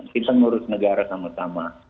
kita ngurus negara sama sama